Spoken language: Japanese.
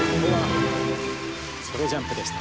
ソロジャンプでした。